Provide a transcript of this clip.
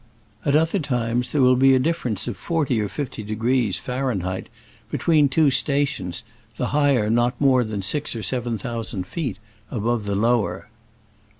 At other times there will be a difference of forty or fifty degrees (Fahrenheit) between two sta tions, the higher not more than six or seven thousand feet above the lower.